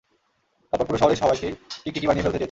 তারপর পুরো শহরের সবাইকেই টিকটিকি বানিয়ে ফেলতে চেয়েছিল।